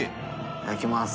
いただきます。